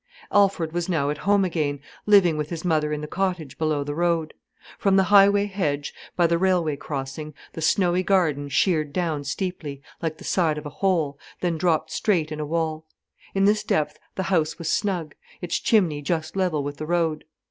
Alfred was now at home again, living with his mother in the cottage below the road. From the highway hedge, by the railway crossing, the snowy garden sheered down steeply, like the side of a hole, then dropped straight in a wall. In this depth the house was snug, its chimney just level with the road.